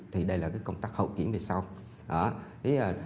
thì đây là công tác hậu kiểm về sau